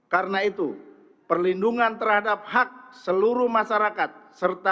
karena itu perlindungan terhadap hak seluruh masyarakat terutama para penyelenggara harus dilakukan secara jelas